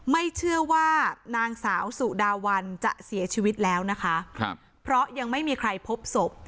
ไม่เชื่อว่านางสาวสุดาวันจะเสียชีวิตแล้วนะคะครับเพราะยังไม่มีใครพบศพ